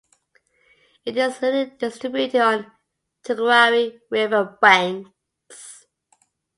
It is linearly distributed on Jaguari River banks.